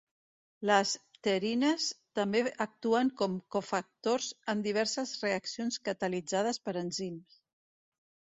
Les pterines també actuen com cofactors en diverses reaccions catalitzades per enzims.